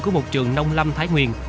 của một trường nông lâm thái nguyên